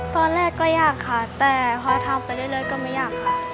ตอนแรกก็อยากค่ะแต่พอทำไปเรื่อยก็ไม่อยากค่ะ